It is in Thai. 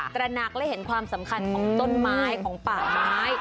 ตระหนักและเห็นความสำคัญของต้นไม้ของป่าไม้